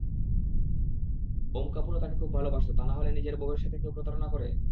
ওম কাপুরও তাকে খুব ভালবাসত তা নাহলে নিজের বউয়ের সাথে কেউ প্রতারণা করে?